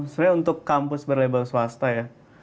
sebenarnya untuk kampus berlabel swasta ya